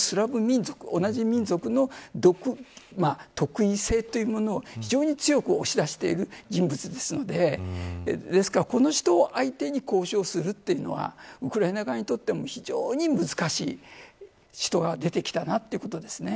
ウクライナとロシアの同じ民族の特異性というものを非常に強く押し出している人物ですのでですから、この人を相手に交渉するというのはウクライナ側にとっても非常に難しい人が出てきたなということです。